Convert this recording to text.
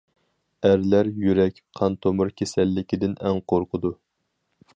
ئەرلەر يۈرەك قان تومۇر كېسەللىكىدىن ئەڭ قورقىدۇ.